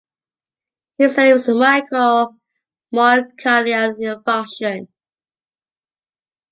He said it was micro myocardial infarction.